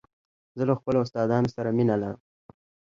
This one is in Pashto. زه له خپلو استادانو سره مینه لرم.